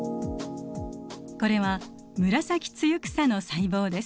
これはムラサキツユクサの細胞です。